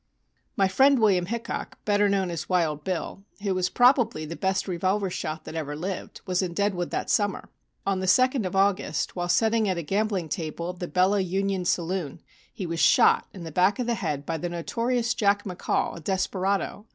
"My friend William Hickock, better known as 'Wild Bill,' who was probably the best revolver shot that ever lived, was in Deadwood that summer. On the second of August, while setting at a gambling table of the Bella Union Saloon, he was shot in the back of the head by the notorious Jack McCall, a desperado.